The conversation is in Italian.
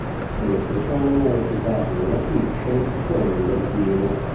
Nello stesso anno ha recitato nella fiction "Come un delfino".